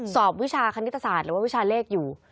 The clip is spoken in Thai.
วิชาคณิตศาสตร์หรือว่าวิชาเลขอยู่